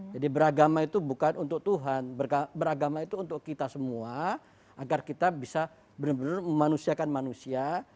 jadi beragama itu bukan untuk tuhan beragama itu untuk kita semua agar kita bisa benar benar memanusiakan manusia